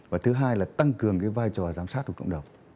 và thứ hai là tăng cường cái vai trò giám sát của cộng đồng